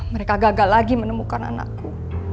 mereka gagal lagi menemukan anakku